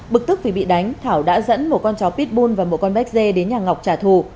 bực tức vì bị đánh thảo đã dẫn một con chó pitbull và một con béc dê đến nhà ngọc trả thù